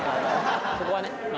そこはね。